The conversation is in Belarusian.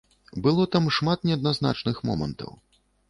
Было там шмат неадназначных момантаў.